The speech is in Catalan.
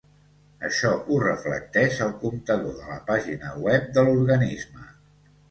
Així ho reflecteix el comptador de la pàgina web de l’organisme.